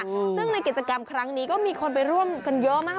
ซึ่งในกิจกรรมครั้งนี้ก็มีคนไปร่วมกันเยอะมาก